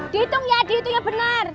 dihitung ya dihitung ya benar